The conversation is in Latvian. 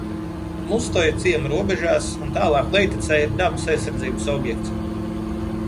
Mustoja ciema robežās un tālāk lejtecē ir dabas aizsardzības objekts.